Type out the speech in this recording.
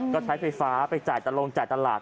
ก็ใช้ไฟฟ้าไปจ่ายตะลงจ่ายตลาด